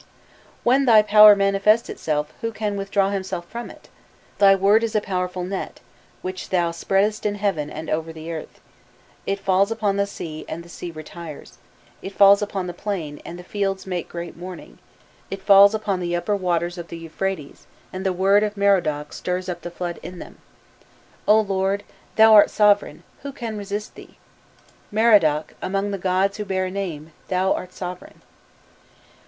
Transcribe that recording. "When thy power manifests itself, who can withdraw himself from it? Thy word is a powerful net which thou spreadest in heaven and over the earth: it falls upon the sea, and the sea retires, it falls upon the plain, and the fields make great mourning, it falls upon the upper waters of the Euphrates, and the word of Merodach stirs up the flood in them. O Lord, thou art sovereign, who can resist thee? Merodach, among the gods who bear a name, thou art sovereign."